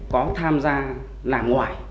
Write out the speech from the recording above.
có tham gia làm ngoài